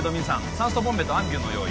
酸素ボンベとアンビューの用意